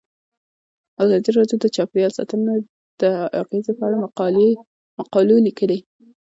ازادي راډیو د چاپیریال ساتنه د اغیزو په اړه مقالو لیکلي.